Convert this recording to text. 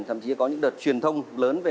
thậm chí có những đợt truyền thông lớn về